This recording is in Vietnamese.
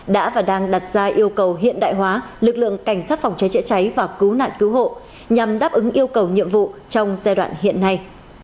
đã và đang đặt ra yêu cầu hiện đại hóa lực lượng cảnh sát phòng cháy chữa cháy và cứu nạn cứu hộ nhằm đáp ứng yêu cầu nhiệm vụ trong giai đoạn hiện nay